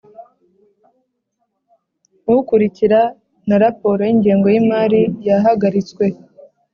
ukurikira na raporo y ingengo y imari yahagaritswe